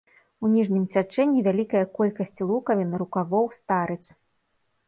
У ніжнім цячэнні вялікая колькасць лукавін, рукавоў, старыц.